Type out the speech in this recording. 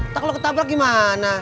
tak lu ketabrak gimana